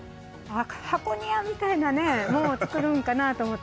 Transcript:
箱庭みたいなのを作るんかなと思って。